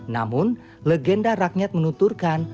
namun legenda rakyat menuturkan